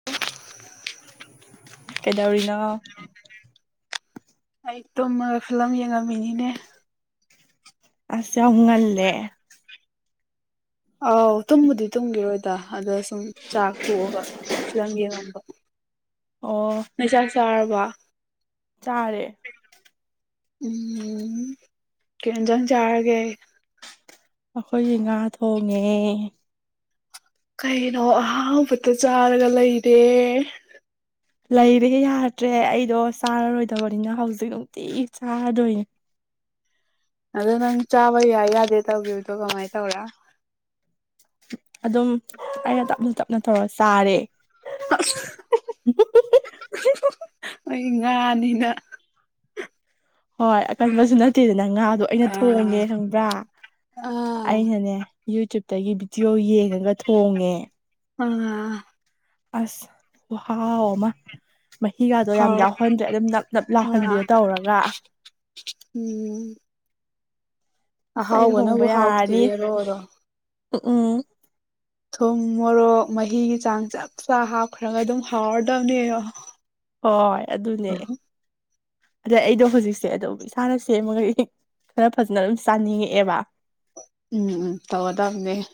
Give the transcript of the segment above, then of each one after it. [unintelligible] ꯀꯩꯗꯧꯔꯤꯅꯣ ꯑꯩ ꯇꯣꯝꯃꯒ ꯐꯤꯂꯝ ꯌꯦꯡꯉꯝꯃꯤꯅꯤꯅꯦ ꯑꯁ ꯌꯥꯝ ꯉꯜꯂꯦ ꯑꯥꯎ ꯇꯨꯝꯕꯨꯗꯤ ꯇꯨꯝꯒꯤꯦ ꯑꯣꯏꯣꯏ ꯑꯗ ꯁꯨꯝ ꯆꯥꯛ ꯇꯣꯛꯑꯒ ꯐꯤꯂꯝ ꯌꯦꯡꯉꯝꯕ ꯑꯣ ꯃꯩꯆꯥꯛ ꯆꯥꯔꯕ ꯆꯥꯔꯦ ꯎꯝ ꯀꯟꯖꯪ ꯆꯥꯔꯒꯦ ꯑꯩꯈꯣꯏꯁꯦ ꯉꯥ ꯊꯣꯡꯉꯦ ꯀꯩꯅꯣ ꯑꯍꯕꯇ ꯆꯥꯔꯒ ꯂꯩꯔꯦ ꯂꯩꯔꯦ ꯌꯥꯗ꯭ꯔꯦ ꯑꯩꯗꯣ ꯆꯥꯔꯔꯣꯏꯗꯕꯅꯤꯅ ꯍꯧꯖꯤꯛ ꯅꯨꯡꯇꯤ ꯆꯥꯔꯗꯣꯏꯅꯦ ꯑꯣ ꯅꯪ ꯆꯥꯕ ꯌꯥꯗꯦ ꯇꯧꯕꯗꯣ ꯀꯃꯥꯏꯅ ꯇꯧꯔꯦ ꯑꯗꯨꯝ ꯑꯩꯅ ꯇꯞꯅ ꯇꯞꯅ ꯇꯧꯔ ꯆꯥꯔꯦ ꯑꯁ ꯑꯩ ꯉꯥꯅꯤꯅ ꯍꯣꯏ ꯑꯀꯟꯕꯁꯨ ꯅꯠꯇꯦꯗꯅ ꯉꯥꯗꯣ ꯑꯩꯅ ꯑꯥ ꯊꯣꯡꯒꯦ ꯈꯪꯕ꯭ꯔꯥ ꯑꯥ ꯑꯩꯅꯅꯦ ꯌꯨꯇ꯭ꯨꯕꯇꯒꯤ ꯚꯤꯗꯤꯑꯣ ꯌꯦꯡꯉꯒ ꯊꯣꯡꯉꯦ ꯎꯝ ꯑꯁ ꯍꯥꯎꯃ ꯃꯍꯤꯒꯗꯣ ꯌꯥꯝ ꯍꯥꯎ ꯌꯥꯎꯍꯟꯗ꯭ꯔꯦ ꯑꯗꯨꯝ ꯅꯞ ꯅꯞ ꯑꯥ ꯂꯥꯎꯍꯟꯕꯤꯌꯣ ꯇꯧꯔꯒ ꯎꯝ ꯉꯁꯥꯏ ꯂꯨꯍꯣꯡꯕ ꯑꯍꯥꯎꯕꯅꯕꯨ ꯌꯥꯔꯅꯤ ꯍꯥꯎꯇꯦꯌꯦ ꯔꯣ ꯔꯣ ꯎ ꯎꯝ ꯊꯨꯝ ꯃꯣꯔꯣꯛ ꯃꯍꯤꯒꯤ ꯆꯥꯡ ꯆꯞ ꯆꯥ ꯍꯥꯞꯈ꯭ꯔꯒ ꯑꯗꯨꯝ ꯍꯥꯎꯔꯗꯕꯅꯦ ꯍꯣꯏ ꯑꯗꯨꯅꯦ ꯎꯝ ꯑꯗ ꯑꯩꯗꯣ ꯍꯧꯖꯤꯛꯁꯦ ꯑꯗꯨꯝ ꯏꯁꯥꯅ ꯁꯦꯝꯃꯒ ꯈꯔ ꯐꯖꯅ ꯑꯗꯨꯝ ꯆꯥꯅꯤꯡꯉꯛꯑꯦꯕ ꯎꯝ ꯎꯝ ꯇꯧꯗꯕꯅꯦ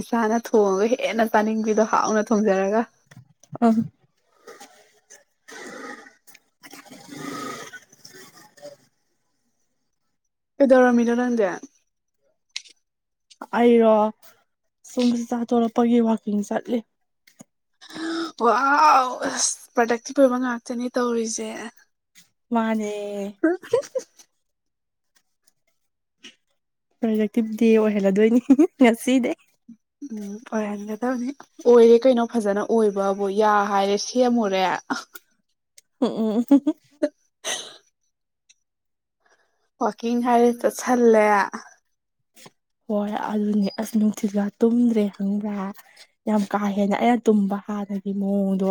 ꯏꯁꯥꯅ ꯊꯣꯡꯉꯒ ꯍꯦꯟꯅ ꯆꯥꯅꯤꯡꯕꯤꯗꯣ ꯍꯥꯎꯅ ꯊꯣꯡꯖꯔꯒ ꯑꯝ ꯑꯦꯗꯔꯥ ꯃꯤꯠꯔ ꯅꯪꯗꯦ ꯑꯩꯔꯣ ꯁꯨꯝꯁ ꯆꯥ ꯇꯣꯔꯛꯄꯒꯤ ꯋꯥꯛꯀꯤꯡ ꯆꯠꯂꯤ ꯋꯥ ꯑꯁ ꯄ꯭ꯔꯗꯛꯇꯤꯐ ꯄꯨꯑꯣꯏꯕ ꯉꯥꯛꯇꯅꯤ ꯇꯧꯔꯤꯁꯦ ꯃꯥꯅꯦ ꯍ ꯄ꯭ꯔꯗꯛꯇꯤꯞ ꯗꯦ ꯑꯣꯏꯍꯜꯂꯗꯣꯏꯅꯤ ꯉꯁꯤꯗꯤꯩ ꯎꯝ ꯑꯣꯏꯔꯒꯗꯧꯅꯤ ꯑꯣꯏꯔꯦ ꯀꯩꯅꯣ ꯐꯖꯅ ꯑꯣꯏꯕꯕꯨ ꯌꯥ ꯍꯥꯏꯔꯦ ꯁꯦꯝꯃꯨꯔꯦ ꯎꯝ ꯎ ꯋꯥꯋꯥꯛꯀꯤꯡ ꯍꯥꯏꯔ ꯆꯠꯁꯜꯂꯦ ꯍꯣꯏ ꯑꯗꯨꯅꯦ ꯑꯁ ꯅꯨꯡꯁꯤꯠꯒ ꯇꯨꯝꯗ꯭ꯔꯦ ꯍꯪꯕ꯭ꯔꯦ ꯌꯥꯝ ꯀꯥ ꯍꯦꯟꯅ ꯑꯩꯅ ꯇꯨꯝꯕ ꯍꯥꯟꯅꯒꯤ ꯃꯑꯣꯡꯗꯣ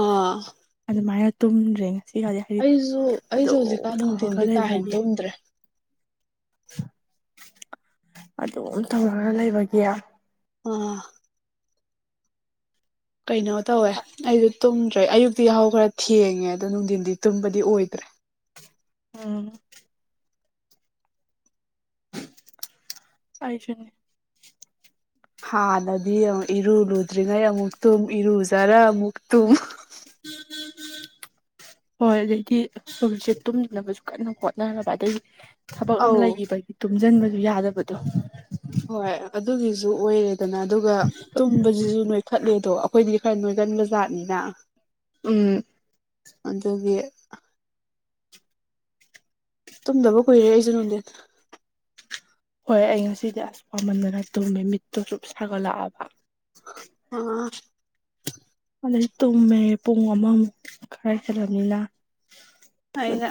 ꯑꯥ ꯑꯗꯨꯃꯥꯏꯅ ꯇꯨꯝꯗ꯭ꯔꯦ ꯉꯁꯤꯒꯗꯤ ꯍꯥꯏꯗꯤ ꯑꯩꯁꯨ ꯑꯩꯁꯨ ꯑꯗꯨꯝ ꯍꯧꯖꯤꯛꯀꯥꯟ ꯇꯧꯔꯒ ꯅꯨꯡꯊꯤꯟꯗꯤ ꯀꯥ ꯍꯦꯟꯅ ꯂꯩꯕꯒꯤ ꯇꯨꯝꯗ꯭ꯔꯦ ꯑꯗꯨꯝ ꯇꯧꯅꯅ ꯂꯩꯕꯒꯤ ꯑꯣ ꯀꯩꯅꯣ ꯇꯧꯋꯦ ꯑꯩꯁꯨ ꯇꯨꯝꯗ꯭ꯔꯦ ꯑꯌꯨꯛꯇꯤ ꯌꯥꯍꯧ ꯈꯔ ꯊꯦꯡꯉꯦ ꯑꯗꯣ ꯅꯨꯡꯊꯤꯟꯗꯤ ꯇꯨꯝꯕꯗꯤ ꯑꯣꯏꯗ꯭ꯔꯦ ꯎꯝ ꯑꯩꯁꯨꯅꯤ ꯍꯥꯟꯅꯗꯤ ꯏꯔꯨ ꯂꯨꯗ꯭ꯔꯤꯉꯩ ꯑꯃꯨꯛ ꯇꯨꯝ ꯏꯔꯨꯖꯔ ꯑꯃꯨꯛ ꯇꯨꯝ [inaudible] ꯍꯣꯏ ꯑꯗꯩꯗꯤ ꯍꯧꯖꯤꯁꯦ ꯇꯨꯝꯗꯅꯕꯁꯨ ꯀꯟꯅ ꯍꯣꯠꯅꯔꯕ ꯑꯗꯩ ꯊꯕꯛ ꯑꯃ ꯑꯧ ꯂꯩꯈꯤꯕꯒꯤ ꯇꯨꯝꯁꯤꯟꯕꯗꯨ ꯌꯥꯗꯕꯗꯣ ꯍꯣꯏ ꯑꯗꯨꯒꯤꯁꯨ ꯑꯣꯏꯔꯦꯗꯅ ꯑꯗꯨꯒ ꯄꯨꯟꯕꯁꯤꯁꯨ ꯅꯣꯏꯈꯠꯂꯦꯗꯣ ꯑꯩꯈꯣꯏꯗꯤ ꯈꯔ ꯅꯣꯏꯒꯟꯕꯖꯥꯠꯅꯤꯅ ꯎꯝ ꯑꯗꯨꯒꯤ ꯇꯨꯝꯗꯕ ꯀꯨꯏꯔꯦ ꯑꯩꯁꯨ ꯅꯨꯡꯗꯤꯟ ꯍꯣꯏ ꯑꯩ ꯉꯁꯤꯗꯤ ꯑꯁ ꯄꯃꯟꯗꯅ ꯇꯨꯝꯃꯦ ꯃꯤꯠꯇꯣ ꯁꯨꯝ ꯁꯥꯒꯠꯂꯛꯑꯕ ꯑꯥ ꯑꯗꯩ ꯇꯨꯝꯃꯦ ꯄꯨꯡ ꯑꯃꯃꯨꯛ ꯈꯔ ꯍꯦꯂꯕꯅ ꯑꯩꯅ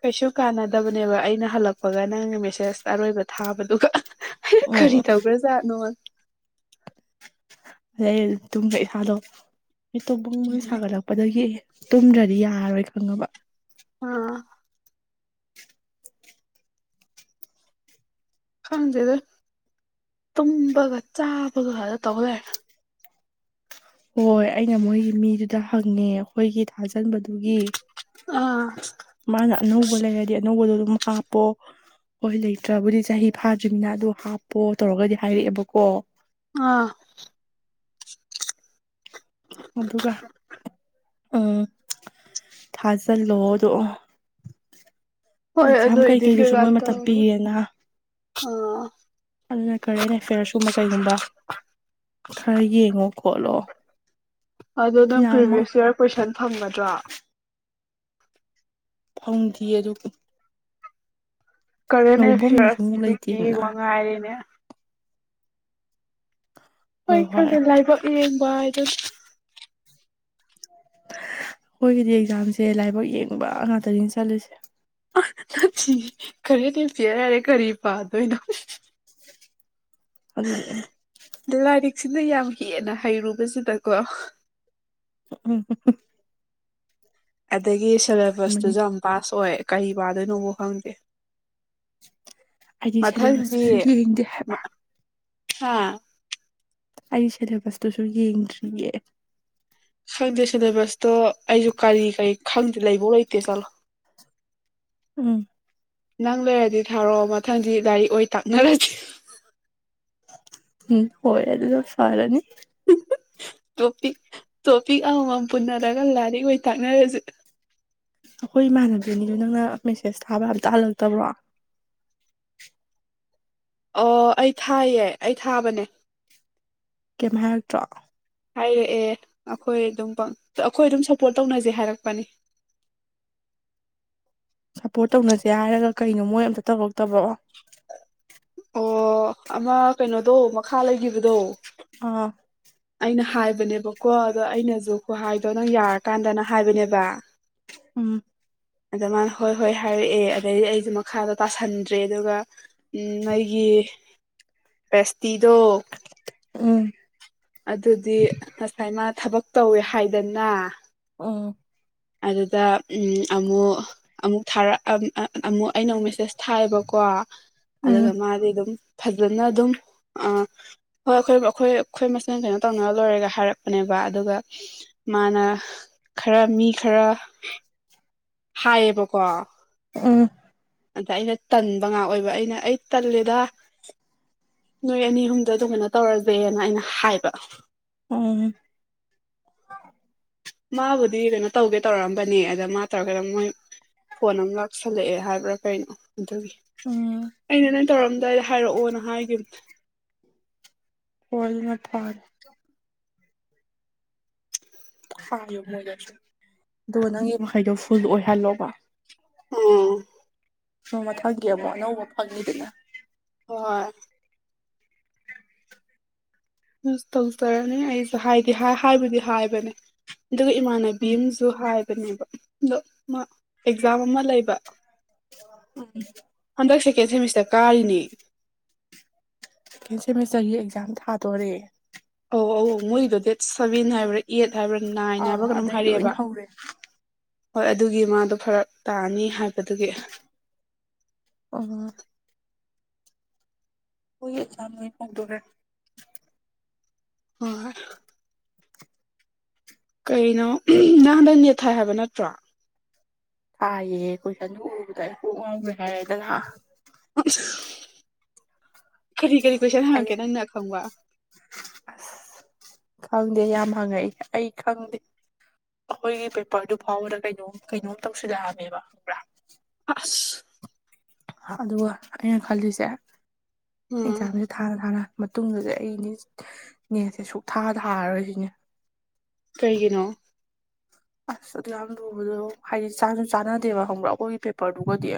ꯀꯩꯁꯨ ꯀꯥꯟꯅꯗꯕꯅꯦꯕ ꯑꯩꯅ ꯍꯜꯂꯛꯄꯒ ꯅꯪꯅ ꯃꯦꯁꯦꯁ ꯑꯔꯣꯏꯕ ꯊꯥꯕꯗꯨꯒ ꯑꯩꯅ ꯀꯔꯤ ꯎꯝ ꯇꯧꯒ꯭ꯔꯖꯥꯠꯅꯣꯅ ꯑꯗꯩ ꯇꯨꯝꯕ ꯏꯁꯥꯗꯣ ꯃꯤꯇꯣ ꯕꯡ ꯕꯡ ꯁꯥꯒꯠꯂꯛꯄ ꯑꯗꯒꯤ ꯇꯨꯝꯗ꯭ꯔꯗꯤ ꯌꯥꯔꯔꯣꯏ ꯈꯪꯉꯕ ꯑꯣ ꯈꯪꯗꯦꯗ ꯇꯨꯝꯕꯒ ꯆꯥꯕꯒꯗ ꯇꯧ ꯂꯩꯔꯦ ꯍꯣꯏ ꯑꯩꯅ ꯃꯣꯏꯒꯤ ꯃꯤꯗꯨꯗ ꯍꯪꯉꯦ ꯑꯩꯈꯣꯏꯒꯤ ꯊꯥꯖꯟꯕꯗꯨꯒꯤ ꯑꯥ ꯃꯥꯅ ꯑꯅꯧꯕ ꯂꯩꯔꯗꯤ ꯑꯅꯧꯕꯗꯣ ꯑꯗꯨꯝ ꯍꯥꯞ ꯄꯣ ꯍꯣꯏ ꯂꯩꯇ꯭ꯔꯕꯨꯗꯤ ꯆꯍꯤ ꯐꯥꯗ꯭ꯔꯤꯝꯅꯤꯅ ꯑꯗꯨ ꯍꯥꯞꯄꯣ ꯇꯧꯔꯒꯗꯤ ꯍꯥꯏꯔꯛ꫰ꯑꯦꯕꯀꯣ ꯑꯥ ꯑꯗꯨꯒ ꯑꯥ ꯊꯥꯖꯤꯜꯂꯣꯗꯣ ꯍꯣꯏ ꯑꯦꯛꯖꯥꯝ ꯑꯗꯨ ꯏꯗꯤꯠ ꯀꯩꯀꯩꯗꯨꯁꯨ ꯀꯩꯀꯥ ꯃꯣꯏ ꯃꯇꯝ ꯇꯧ ꯄꯤꯌꯦꯅ ꯑꯥ ꯑꯗꯨꯅ ꯀꯔꯦꯟ ꯑꯦꯐꯤꯌꯔꯁ ꯀꯨꯝꯕ ꯀꯩꯒꯨꯝꯕ ꯈꯔ ꯌꯦꯡꯉꯣ ꯈꯣꯠꯂꯣ ꯑꯗꯨ ꯅꯪ ꯌꯥꯝꯃ ꯄ꯭ꯔꯤꯚꯤꯌꯁ ꯏꯌꯥꯔ ꯀꯣꯏꯁꯟ ꯐꯪꯒꯗ꯭ꯔꯣ ꯐꯪꯗꯦ ꯑꯗꯨ ꯀꯔꯦꯟ ꯂꯧꯐꯝꯗꯨꯁꯨ ꯑꯦꯐꯤꯌꯔꯁ ꯑꯃꯨꯛ ꯍꯧꯖꯤꯛꯀꯤ ꯂꯩꯇꯦꯗꯅ ꯋꯥ ꯉꯥꯏꯔꯤꯅꯦ ꯍꯣꯏ ꯈꯪꯗꯦ ꯂꯥꯏꯕꯛ ꯌꯦꯡꯕ ꯍꯥꯏꯗꯨꯅꯤ ꯑꯩꯈꯣꯏꯒꯤꯗꯤ ꯑꯦꯛꯖꯥꯝꯁꯦ ꯂꯥꯏꯕꯛ ꯌꯦꯡꯕ ꯉꯥꯛꯇꯅꯤ ꯆꯠꯂꯤꯁꯦ ꯑꯥ ꯅꯠꯇꯤꯌꯦ ꯀꯔꯦꯟ ꯑꯦꯐꯤꯌꯔ ꯍꯥꯏꯔꯦ ꯀꯔꯤ ꯄꯥꯗꯣꯏꯅꯣ ꯑꯗꯨꯅꯦ ꯂꯥꯏꯔꯤꯛꯁꯤꯅ ꯌꯥꯝ ꯍꯦꯟꯅ ꯍꯩꯔꯨꯕꯁꯤꯗꯀꯣ ꯎꯝ [unintelligible] ꯑꯗꯒꯤ ꯁꯦꯂꯦꯕꯁꯇꯨꯁꯨ ꯌꯥꯝ ꯄꯥꯁ ꯑꯣꯏ ꯀꯔꯤ ꯄꯥꯗꯣꯏꯅꯣ ꯐꯥꯎ ꯈꯪꯗꯦ ꯑꯩꯗꯤ ꯃꯊꯪꯗꯤ ꯁꯦꯂꯦꯕꯁꯇꯨꯁꯨ ꯌꯦꯡꯗꯦ ꯍꯥꯏꯕ ꯍꯥ ꯑꯩ ꯁꯦꯂꯦꯕꯁꯇꯨꯁꯨ ꯌꯦꯡꯗ꯭ꯔꯤꯌꯦ ꯈꯪꯗꯦ ꯁꯤꯂꯦꯕꯁꯇꯣ ꯑꯩꯁꯨ ꯀꯔꯤ ꯀꯔꯤ ꯈꯪꯗꯦ ꯂꯩꯕꯧ ꯂꯩꯇꯦ ꯆꯠꯂꯣ ꯎꯝ ꯅꯪ ꯂꯩꯔꯗꯤ ꯊꯥꯔꯛꯑꯣ ꯃꯊꯪꯗꯤ ꯂꯥꯏꯔꯤꯛ ꯑꯣꯢ ꯇꯥꯛꯅꯔꯁꯤ ꯎꯝ ꯍꯣꯢ ꯑꯗꯨꯅ ꯐꯔꯅꯤ ꯇꯣꯄꯤꯛ ꯇꯣꯄꯤꯛ ꯑꯃꯃꯝ ꯄꯨꯟꯅꯔꯒ ꯂꯥꯏꯔꯤꯛ ꯑꯣꯏꯅ ꯇꯥꯛꯅꯔꯖꯦ ꯑꯩꯈꯣꯏ ꯏꯃꯥꯟꯅꯗ꯭ꯔꯤꯅꯤꯗꯣ ꯅꯪꯅ ꯃꯦꯁꯦꯁ ꯊꯥꯕ ꯑꯝꯇ ꯍꯜꯂꯛꯇꯕ꯭ꯔꯣ ꯑꯣ ꯑꯩ ꯊꯥꯏꯌꯦ ꯑꯩ ꯊꯥꯕꯅꯦ ꯀꯩꯝ ꯍꯥꯏꯔꯛꯇ꯭ꯔꯣ ꯍꯥꯏꯔꯛꯑꯦ ꯑꯩꯈꯣꯏ ꯑꯗꯨꯝ ꯑꯩꯈꯣꯏ ꯑꯗꯨꯝ ꯁꯞꯄꯣꯔꯠ ꯇꯧꯅꯖꯦ ꯍꯥꯏꯔꯛꯄꯅꯤ ꯁꯞꯄꯣꯔꯠ ꯇꯧꯅꯁꯦ ꯍꯥꯏꯔꯒ ꯀꯩꯅꯣ ꯃꯣꯏ ꯑꯝꯇ ꯇꯧꯔꯛꯇꯕꯣ ꯑꯣ ꯑꯃ ꯀꯩꯅꯣꯗꯣ ꯃꯈꯥ ꯂꯩꯈꯤꯕꯗꯣ ꯑ ꯑꯩꯅ ꯍꯥꯏꯕꯅꯦꯕꯀꯣ ꯑꯗꯣ ꯑꯩꯅꯁꯨ ꯈꯨꯍꯥꯏꯗꯣ ꯅꯪ ꯌꯥꯔꯀꯥꯟꯗꯅ ꯍꯥꯏꯕꯅꯦꯕ ꯎꯝ ꯑꯗ ꯃꯥꯅ ꯍꯣꯏ ꯍꯣꯏ ꯍꯥꯏꯔꯛꯑꯦ ꯑꯗꯩ ꯑꯩꯁꯨ ꯃꯈꯥꯗꯣ ꯇꯥꯁꯟꯗ꯭ꯔꯦ ꯑꯗꯨꯒ ꯎꯝ ꯑꯩꯒꯤ ꯄꯦꯁꯇꯤꯗꯣ ꯎꯝ ꯑꯗꯨꯗꯤ ꯉꯁꯥꯏ ꯃꯥ ꯊꯕꯛ ꯇꯧꯋꯦ ꯍꯥꯏꯗꯅ ꯑꯣ ꯑꯗꯨꯗ ꯑꯃꯨꯛ ꯑꯃꯨꯛ ꯊꯥꯔꯛ ꯑꯃꯨꯛ ꯑꯩꯅ ꯑꯃꯨꯛ ꯃꯦꯁꯦꯁ ꯊꯥꯏꯕꯀꯣ ꯑꯗꯨꯒ ꯎꯝ ꯃꯥꯗꯤ ꯑꯗꯨꯝ ꯐꯖꯅ ꯑꯗꯨꯝ ꯍꯣꯏ ꯑꯩꯈꯣꯏ ꯑꯩꯈꯣꯏ ꯑꯩꯈꯣꯏ ꯃꯁꯦꯟ ꯀꯩꯅꯣ ꯇꯧꯅꯔ ꯂꯣꯏꯔꯒ ꯍꯥꯏꯔꯛꯄꯅꯦꯕ ꯑꯗꯨꯒ ꯃꯥꯅ ꯈꯔ ꯃꯤ ꯈꯔ ꯍꯥꯏꯌꯦꯕꯀꯣ ꯎꯝ ꯑꯗ ꯑꯩꯅ ꯇꯟꯕ ꯉꯥꯛ ꯑꯣꯏꯕ ꯑꯩꯅ ꯑꯩ ꯇꯜꯂꯦꯗ ꯅꯣꯏ ꯑꯅꯤ ꯑꯍꯨꯝꯗ ꯑꯗꯨꯃꯥꯏꯅ ꯇꯧꯔꯁꯦꯅ ꯑꯩꯅ ꯍꯥꯏꯕ ꯎꯝ ꯃꯥꯕꯨꯗꯤ ꯀꯩꯅꯣ ꯇꯧꯒꯦ ꯇꯧꯔꯛꯑꯝꯕꯅꯦ ꯑꯗ ꯃꯥ ꯇꯧꯔꯒꯗ ꯃꯣꯏ ꯐꯣꯟ ꯑꯃ ꯂꯥꯛꯁꯜꯂꯛꯑꯦ ꯍꯥꯏꯕ꯭ꯔꯥ ꯀꯩꯅꯣ ꯑꯗꯨꯒꯤ ꯎꯝ ꯑꯩꯅ ꯅꯪ ꯇꯧꯔꯝꯗꯥꯏꯗ ꯍꯥꯏꯔꯛꯑꯣꯅ ꯍꯥꯏꯈꯤꯕꯅꯦ ꯍꯅ ꯊꯔ ꯐꯥꯏꯌꯣ ꯃꯣꯏ ꯑ ꯅꯪꯒꯤ ꯃꯈꯩꯗꯣ ꯐꯨꯜ ꯑꯣꯏꯍꯜꯂꯣꯕ ꯎꯝ ꯎ ꯃꯊꯪꯒꯤ ꯑꯃꯕꯣ ꯑꯅꯧꯕ ꯐꯪꯉꯤꯗꯅ ꯍꯣꯏ ꯌꯁ ꯇꯧꯖꯔꯅꯤ ꯑꯩꯁꯨꯦ ꯍꯥꯏꯗꯤ ꯍꯥꯏꯕꯨꯗꯤ ꯍꯥꯏꯕꯅꯦ ꯑꯗꯨꯒ ꯏꯃꯥꯟꯅꯕꯤ ꯎꯝ ꯑꯃꯁꯨ ꯍꯥꯏꯕꯅꯦꯕ ꯑꯗꯣ ꯃꯥ ꯑꯦꯛꯖꯥꯝ ꯑꯃ ꯂꯩꯕ ꯎꯝ ꯍꯟꯗꯛ ꯁꯦꯀꯦꯟ ꯁꯦꯃꯤꯁꯇꯔ ꯀꯥꯔꯤꯅꯤ ꯁꯦꯀꯦꯟ ꯁꯦꯃꯤꯁꯇꯔꯒꯤ ꯑꯦꯛꯖꯥꯝ ꯊꯥꯗꯣꯔꯦ ꯑꯧ ꯑꯧ ꯃꯣꯏꯒꯤꯗꯣ ꯗꯦꯠ ꯁꯚꯦꯟ ꯍꯥꯏꯕ꯭ꯔꯥ ꯑꯦꯠ ꯍꯥꯏꯕ꯭ꯔꯥ ꯅꯥꯏꯟ ꯑꯥ ꯍꯥꯏꯕ꯭ꯔꯥ ꯀꯩꯅꯣꯝ ꯑꯗꯩ ꯂꯣꯏ ꯍꯥꯏꯔꯛꯑꯦꯕ ꯍꯧꯔꯦ ꯍꯣꯏ ꯑꯗꯨꯒꯤ ꯃꯥꯗꯣ ꯐꯔꯛ ꯇꯥꯅꯤ ꯍꯥꯏꯕꯗꯨꯒꯤ ꯑꯣ ꯍꯏ ꯆꯣꯏ ꯐꯪꯗꯣꯔꯦ ꯍꯣꯏ ꯀꯩꯅꯣ ꯅꯍꯥꯟꯗ ꯅꯦꯠ ꯊꯥꯏ ꯍꯥꯏꯕ ꯅꯠꯇ꯭ꯔꯣ ꯊꯥꯏꯌꯦ ꯑꯩꯣꯏꯁꯟ ꯑꯗꯨ ꯎꯕꯗ ꯑꯩ ꯀꯣꯛ ꯉꯥꯎꯈ꯭ꯔꯦ ꯍꯥꯏꯔꯦꯗꯅ ꯂ ꯀꯔꯤ ꯀꯔꯤ ꯀꯣꯏꯁꯟ ꯑꯩ ꯍꯪꯉꯛꯀꯦ ꯅꯪꯅ ꯈꯪꯕ ꯑꯁ ꯈꯪꯗꯦ ꯌꯥꯝ ꯍꯪꯉꯛꯏ ꯑꯩ ꯈꯪꯗꯦ ꯑꯩꯈꯣꯏꯒꯤ ꯄꯦꯄꯔꯗꯨ ꯐꯥꯎꯕꯗ ꯀꯩꯅꯣꯝ ꯀꯩꯅꯣꯝ ꯇꯧꯁꯤꯜꯂꯛꯑꯃꯦꯕ ꯍꯪꯕ꯭ꯔꯥ ꯍꯁ ꯑꯗꯨꯒ ꯑꯩꯅ ꯈꯜꯂꯤꯁꯦ ꯎꯝ ꯑꯦꯛꯖꯥꯝꯁꯦ ꯊꯥ ꯊꯥꯅ ꯃꯇꯨꯡꯗꯗꯤ ꯑꯩꯅꯦ ꯅꯁꯦ ꯁꯨꯛꯊꯥ ꯊꯥꯔꯔꯣꯏꯁꯤꯅꯦ ꯀꯩꯒꯤꯅꯣ ꯑꯁ ꯑꯗꯨ ꯌꯥꯝ ꯂꯨꯕꯗꯣ ꯍꯥꯏꯗꯤ ꯆꯥꯁꯨ ꯆꯥꯟꯅꯗꯦꯕ ꯈꯪꯕ꯭ꯔꯥ ꯑꯩꯈꯣꯏꯒꯤ ꯄꯦꯄꯔꯗꯨꯒꯗꯤ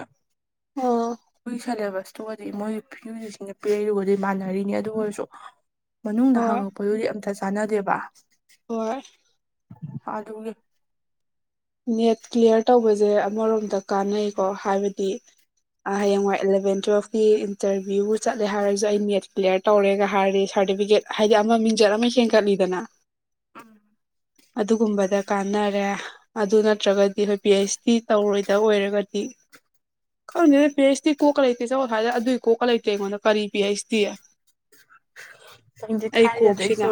ꯑ ꯑꯩꯣꯏꯒꯤ ꯁꯦꯂꯦꯕꯁꯇꯨꯒꯗꯤ ꯃꯣꯏ ꯍꯧꯖꯤꯛꯁꯤꯡꯅ ꯄꯤꯔꯛꯔꯨꯕꯗꯤ ꯃꯥꯟꯅꯔꯤꯅꯤ ꯑꯗꯨꯕꯨ ꯑꯣꯏꯔꯁꯨ ꯃꯅꯨꯡꯗ ꯍꯣꯏ ꯍꯥꯡꯉꯛꯄꯗꯨꯗꯤ ꯑꯝꯇ ꯆꯥꯟꯅꯗꯦꯕ ꯍꯣꯏ ꯑꯗꯨꯒꯤ ꯅꯦꯠ ꯀ꯭ꯂꯤꯌꯥꯔ ꯇꯧꯕꯁꯦ ꯑꯃꯔꯣꯝꯗ ꯀꯥꯟꯅꯩꯀꯣ ꯍꯥꯏꯕꯗꯤ ꯍꯌꯦꯡꯋꯥꯏ ꯑꯦꯂꯚꯦꯟ ꯇꯨꯋꯦꯜꯞꯀꯤ ꯏꯟꯇꯔꯚꯤꯌꯨ ꯆꯠꯂꯦ ꯍꯥꯏꯔꯁꯨ ꯑꯩ ꯅꯦꯠ ꯀ꯭ꯂꯤꯌꯥꯔ ꯇꯧꯔꯦꯒ ꯍꯥꯏꯔꯗꯤ ꯁꯥꯔꯇꯤꯐꯤꯀꯦꯠ ꯍꯥꯏꯗꯤ ꯑꯃ ꯃꯤꯡꯆꯠ ꯑꯃ ꯍꯦꯟꯒꯠꯂꯤꯗꯅ ꯎꯝ ꯑꯗꯨꯒꯨꯝꯕꯗ ꯀꯥꯟꯅꯔꯦ ꯑꯗꯨ ꯅꯠꯇ꯭ꯔꯒꯗꯤ ꯑꯩꯈꯣꯏ ꯄꯤ ꯑꯩꯩꯆ ꯗꯤ ꯇꯧꯔꯣꯏꯗ ꯑꯣꯏꯔꯒꯗꯤ ꯀ ꯄꯤ ꯑꯩꯁꯇꯤ ꯀꯣꯛꯀ ꯂꯩꯇꯦ ꯆ ꯍꯥꯏꯔꯦ ꯑꯗꯨꯏ ꯀꯣꯛꯀ ꯂꯩꯇꯦ ꯑꯩꯉꯣꯟꯗ ꯀꯔꯤ ꯄꯤ ꯑꯩꯁꯇꯤ ꯁꯪꯗꯤ ꯀꯣꯛꯁꯤꯅ ꯊꯥꯏꯖꯗꯩꯁꯨ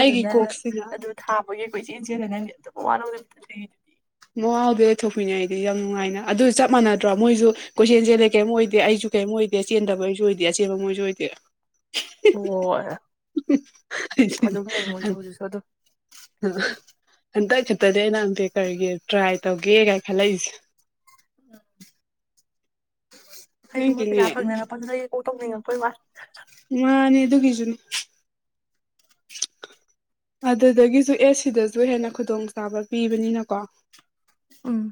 ꯑꯩꯒꯤ ꯀꯣꯛꯁꯤꯅ ꯑꯗꯨ ꯊꯥꯕꯒꯤ ꯑꯩꯏ ꯏ ꯆꯦꯟ ꯆꯦꯜ ꯍꯒꯪ ꯑꯗꯨꯝ ꯋꯥꯔꯧꯅꯦ ꯅꯅꯨꯡꯉꯥꯎꯗꯦ ꯊꯣꯛꯄꯤꯅꯤꯡꯥꯏꯗꯤ ꯌꯥꯝ ꯅꯨꯡꯉꯥꯏꯅ ꯑꯗꯨ ꯆꯞ ꯃꯥꯟꯅꯗ꯭ꯔꯣ ꯃꯣꯏꯁꯨ ꯀꯣꯏꯁꯦꯟ ꯆꯦꯜꯗ ꯀꯔꯤꯝ ꯑꯣꯏꯗꯦ ꯑꯩꯁꯨ ꯀꯔꯤꯝ ꯑꯣꯏꯗꯦ ꯆꯦꯟꯗꯕꯩꯁꯨ ꯑꯣꯏꯗꯦ ꯑꯆꯦꯟꯕ ꯃꯣꯏꯁꯨ ꯑꯣꯏꯗꯦ ꯍ ꯑꯗꯨꯝ ꯂꯩ ꯃꯣꯏꯁꯨ ꯍꯧꯖꯤꯛꯁꯨ ꯑꯗꯨꯝ ꯍꯟꯗꯛ ꯈꯛꯇꯗꯤ ꯑꯩꯅ ꯍꯪꯇꯤ ꯀꯔꯤꯒꯤ ꯇ꯭ꯔꯥꯏ ꯇꯧꯒꯦꯒꯥꯏ ꯈꯜꯂꯛꯏꯁꯦ ꯑꯩꯁꯨ ꯃꯣꯏ ꯄꯩꯁꯥ ꯅꯪꯒꯤꯅꯦ ꯐꯪꯗꯅ ꯐꯖꯅꯡꯀꯧ ꯇꯧꯅꯤꯡꯉꯛꯄꯣꯏ ꯋꯥ ꯃꯥꯅꯤ ꯗꯨ ꯀꯈꯤꯁꯨ [inaudible] ꯑꯗꯨꯗꯒꯤꯁꯨ ꯑꯦꯁ ꯁꯤꯗꯁꯨ ꯍꯦꯟꯅ ꯈꯨꯗꯣꯡꯆꯥꯥꯕ ꯄꯤꯕꯅꯤꯅꯀꯣ ꯎꯝ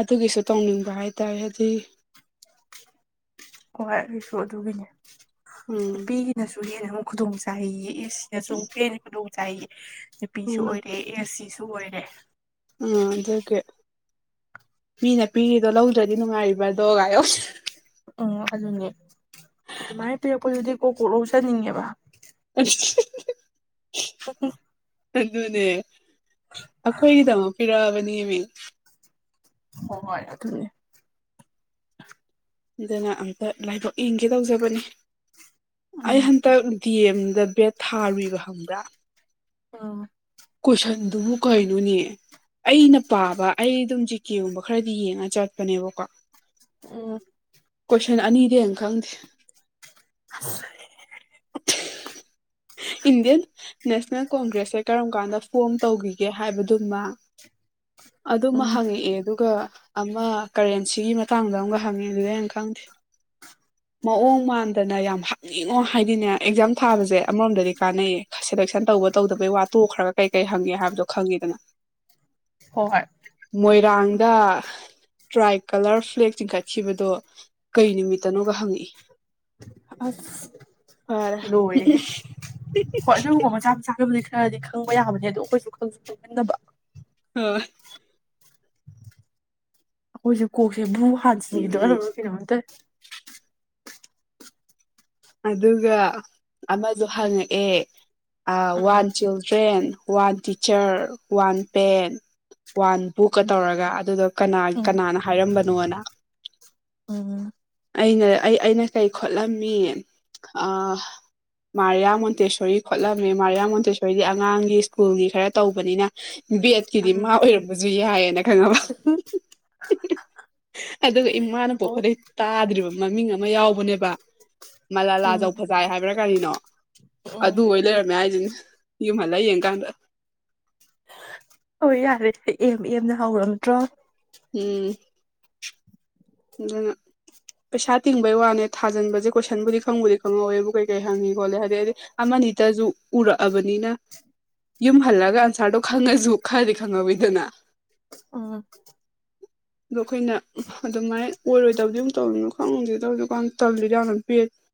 ꯑꯗꯨꯒꯤꯁꯨ ꯇꯧꯅꯤꯡꯕ ꯍꯥꯏꯇꯥꯔꯦ ꯑꯗꯨꯗꯤ ꯍ ꯑꯩꯁꯨ ꯑꯗꯨꯒꯤꯅꯦ ꯎꯝ ꯅꯨꯄꯤꯒꯤꯅꯁꯨ ꯍꯦꯟꯅ ꯑꯃꯨꯛ ꯈꯨꯗꯣꯡ ꯆꯥꯏ ꯌꯦꯛꯑꯦ ꯁꯤꯗꯁꯨ ꯀꯦꯟꯅ ꯈꯨꯗꯣꯡ ꯆꯥꯏꯌꯦ ꯅꯨꯄꯤꯁꯨ ꯎꯝ ꯑꯣꯏꯔꯦ ꯑꯦꯁ ꯁꯤꯁꯨ ꯑꯣꯏꯔꯦ ꯎꯝ ꯑꯗꯨꯒꯤ ꯃꯤꯅ ꯄꯤꯔꯤꯗꯣ ꯂꯧꯗ꯭ꯔꯗꯤ ꯅꯨꯡꯉꯥꯏꯔꯤꯕ꯭ꯔꯗꯣꯒꯥꯏꯌꯧ ꯑꯣ ꯑꯗꯨꯅꯦ ꯑꯗꯨꯃꯥꯏꯅ ꯄꯤꯔꯛꯄꯗꯨꯗꯤ ꯀꯣꯛ ꯀꯣꯛ ꯂꯧꯖꯟꯅꯤꯡꯉꯦꯕ ꯑꯁ [inaudible] ꯑꯗꯨꯅꯦ ꯑꯩꯈꯣꯏꯒꯤꯗꯃꯛ ꯄꯤꯔꯛꯑꯕꯅꯦꯃꯤ ꯍꯣꯏ ꯑꯗꯨꯗꯤ ꯑꯗꯨꯅ ꯑꯝꯇ ꯂꯥꯏꯕꯛ ꯌꯦꯡꯒꯦ ꯇꯧꯖꯕꯅꯤ ꯑꯩ ꯎꯝ ꯍꯟꯗꯛ ꯗꯤ ꯑꯦꯝꯗ ꯕꯦꯠ ꯊꯥꯔꯨꯏꯕ ꯈꯪꯕ꯭ꯔꯥ ꯑ ꯀꯣꯏꯁꯟꯗꯨꯕꯨ ꯀꯩꯅꯣꯅꯦ ꯑꯩꯅ ꯄꯥꯕ ꯑꯩ ꯑꯗꯨꯝ ꯖꯤꯀꯦꯒꯨꯝꯕ ꯈꯔꯗꯤ ꯌꯦꯡꯉ ꯆꯠꯄꯅꯦꯕꯀꯣ ꯎꯝ ꯀꯣꯏꯁꯟ ꯑꯅꯤꯗꯤ ꯍꯦꯟ ꯈꯪꯗꯦ ꯍ ꯏꯟꯗꯤꯌꯥꯟ ꯅꯦꯁꯅꯦꯜ ꯀꯣꯡꯒ꯭ꯔꯦꯁꯁꯦ ꯀꯔꯝ ꯀꯥꯟꯗ ꯐꯣꯝ ꯇꯧꯈꯤꯒꯦ ꯍꯥꯏꯕꯗꯨꯃ ꯑꯗꯨꯃ ꯎꯝ ꯍꯪꯉꯛꯑꯦ ꯑꯗꯨꯒ ꯑꯃ ꯀꯔꯦꯟꯁꯤꯒꯤ ꯃꯇꯥꯡꯗ ꯑꯃꯒ ꯍꯪꯉꯛꯑꯦ ꯑꯗꯨꯗꯤ ꯑꯩꯅ ꯈꯪꯗꯦ [inaudible] ꯃꯑꯣꯡ ꯃꯥꯟꯗꯅ ꯌꯥꯝ ꯍꯥꯛꯅꯤꯡꯉꯣ ꯍꯥꯏꯗꯤꯅꯦ ꯑꯦꯛꯖꯥꯝ ꯊꯥꯕꯁꯦ ꯑꯃꯔꯣꯝꯗꯗꯤ ꯀꯥꯟꯅꯩꯌꯦ ꯁꯦꯂꯦꯛꯁꯟ ꯇꯧꯕ ꯇꯧꯗꯕꯩ ꯋꯥꯇꯣꯛꯈ꯭ꯔꯒ ꯀꯩ ꯀꯩ ꯍꯪꯒꯦ ꯍꯥꯏꯕꯗꯣ ꯈꯪꯉꯤꯗꯅ ꯍꯣꯏ ꯍꯣꯏ ꯃꯣꯏꯔꯥꯡꯗ ꯇ꯭ꯔꯥꯏ ꯀꯂꯔ ꯐ꯭ꯂꯦꯛ ꯆꯤꯡꯈꯠꯈꯤꯕꯗꯣ ꯀꯩ ꯅꯨꯃꯤꯠꯇꯅꯣꯒ ꯍꯪꯉꯛꯏ ꯑꯁ ꯐꯔꯦ ꯂꯣꯏꯔꯦꯍꯦ ꯍꯣꯏ ꯑꯗꯨꯒꯨꯝꯕ ꯃꯆꯥ ꯃꯆꯥꯥꯒꯕꯕꯨꯗꯤ ꯈꯔꯗꯤ ꯈꯪꯕ ꯌꯥꯕꯅꯦ ꯑꯗꯣ ꯑꯩꯈꯣꯏꯁꯨ ꯈꯪꯁꯨ ꯈꯪꯍꯟꯗꯕ ꯍ ꯑꯩꯈꯣꯏꯁꯦ ꯀꯣꯛꯁꯦ ꯕꯨ ꯍꯥꯟꯖꯤꯟꯒꯗ ꯎꯝ ꯀꯩꯅꯣꯝꯇ ꯑꯗꯨꯒ ꯑꯃꯁꯗ ꯍꯪꯉꯛꯑꯦ ꯎꯝ ꯎꯝ one children one teacher one pen one ꯕꯨꯛꯀ ꯇꯧꯔꯒ ꯑꯗꯨꯗꯣ ꯀꯅꯥ ꯎꯝ ꯀꯅꯥꯅ ꯍꯥꯏꯔꯝꯕꯅꯣꯅ ꯎꯝ ꯑꯩꯅ ꯑꯩ ꯑꯩꯅ ꯀꯩ ꯈꯣꯠꯂꯝꯃꯤ ꯑ ꯃꯥꯔꯤꯌꯥ ꯃꯣꯟꯇꯦꯁꯣꯔꯤ ꯈꯣꯠꯂꯝꯃꯦ ꯃꯥꯔꯤꯌꯥ ꯃꯣꯟꯇꯦꯁꯔꯤ ꯑꯩꯈꯣꯏꯗꯤ ꯑꯉꯥꯡꯒꯤ ꯁ꯭ꯀꯨꯜꯒꯤ ꯈꯔ ꯇꯧꯕꯅꯤꯅ ꯕꯦꯠꯀꯤꯗꯤ ꯃꯥ ꯎꯝ ꯑꯣꯏꯔꯝꯕꯁꯨ ꯌꯥꯏꯌꯦꯅ ꯈꯪꯉꯕ ꯎꯝ ꯑꯗꯨꯒ ꯏꯃꯥꯅ ꯑꯣ ꯄꯣꯛꯄꯗꯩ ꯇꯥꯗ꯭ꯔꯤꯕ ꯃꯃꯤꯡ ꯑꯃ ꯌꯥꯎꯕꯅꯦꯕ ꯃꯂꯥꯂꯥꯖꯧ ꯎꯝ ꯐꯖꯥꯏ ꯍꯥꯏꯕ꯭ꯔꯥ ꯀꯔꯤꯅꯣ ꯑꯗꯨ ꯎꯝ ꯑꯣꯏ ꯂꯩꯔꯝꯃꯦ ꯍꯥꯏꯁꯤꯅꯦ ꯌꯨꯝ ꯍꯜꯂ ꯌꯦꯡ ꯀꯥꯟꯗ ꯍꯣꯏ ꯌꯥꯔꯦ ꯑꯦꯝ ꯑꯦꯝꯅ ꯍꯧꯔꯝꯗ꯭ꯔꯣ ꯎꯝ ꯑꯗꯨꯅ ꯄꯩꯁꯥ ꯇꯤꯡꯕꯩ ꯋꯥꯅꯦ ꯊꯥꯖꯟꯕꯁꯦ ꯀꯣꯏꯁꯟꯕꯨꯗꯤ ꯈꯪꯕꯨꯗꯤ ꯈꯪꯍꯧꯋꯦꯕꯨ ꯀꯩ ꯀꯩ ꯍꯪꯉꯤ ꯈꯣꯠꯂꯦ ꯍꯥꯏꯗꯩꯗꯤ ꯑꯃꯅꯤꯇꯁꯨ ꯎꯔꯛꯑꯕꯅꯤꯅ ꯌꯨꯝ ꯍꯜꯂꯒ ꯑꯟꯁꯥꯔꯗꯣ ꯈꯪꯉꯁꯨ ꯈꯔꯗꯤ ꯈꯪꯍꯧꯏꯗꯅ [inaudible] ꯑꯗꯣ ꯑꯩꯈꯣꯏꯅ ꯑꯗꯨꯃꯥꯏꯅ ꯑꯣꯏꯔꯣꯏꯗꯕꯗꯤ [unintelligible] ꯈꯪꯗꯦꯗ [unintelligible] ꯇꯜꯂꯤꯗ ꯌꯥꯝꯅ